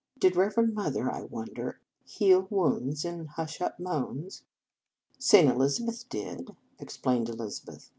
Did Reverend Mother, I wonder, heal wounds and hush up moans ?"" St. Elizabeth did," explained Eliza beth.